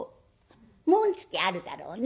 紋付きあるだろうね？」。